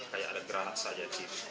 kayak ada granat saja